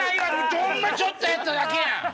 ほんのちょっとやっただけやん。